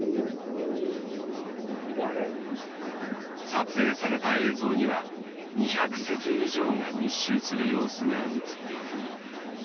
撮影された映像には２００隻以上が密集する様子が映っていた。